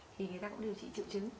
thì người ta cũng điều trị triệu chứng